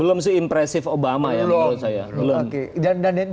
belum se impresif obama ya menurut saya